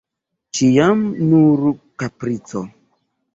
Ĉiam nur kaprico!